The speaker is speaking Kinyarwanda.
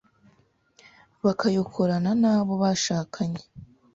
bakayokorana n'abo bashakanye